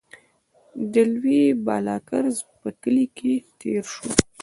د لوی بالاکرز په کلي کې تېر شوو.